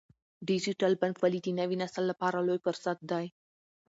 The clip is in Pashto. ډیجیټل بانکوالي د نوي نسل لپاره لوی فرصت دی۔